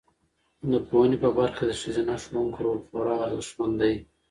د پوهنې په برخه کې د ښځینه ښوونکو رول خورا ارزښتمن دی.